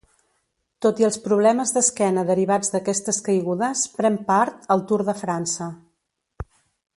Tot i els problemes d'esquena derivats d'aquestes caigudes pren part al Tour de França.